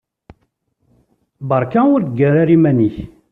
Beṛka ur ggar ara iman-ik.